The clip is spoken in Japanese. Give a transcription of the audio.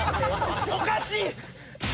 おかしい！